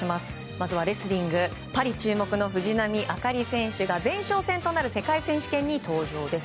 まずはレスリングパリ注目の藤波朱理選手が前哨戦となる世界選手権に登場です。